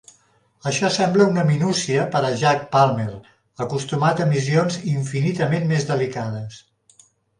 Això sembla una minúcia per a Jack Palmer, acostumat a missions infinitament més delicades.